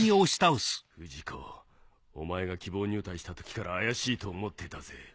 不二子お前が希望入隊した時から怪しいと思ってたぜ。